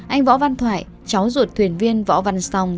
anh võ văn thoại cháu ruột thuyền viên võ văn song